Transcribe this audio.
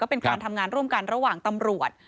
เป็นการทำงานร่วมกันระหว่างตำรวจ